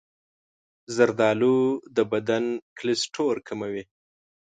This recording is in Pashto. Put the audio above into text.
زردآلو د بدن کلسترول کموي.